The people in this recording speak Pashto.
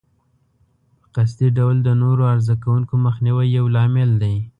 په قصدي ډول د نورو عرضه کوونکو مخنیوی یو لامل دی.